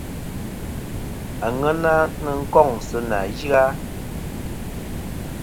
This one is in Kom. Àŋena nɨn kôŋ sɨ nà yɨ-a.